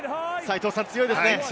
強いですね。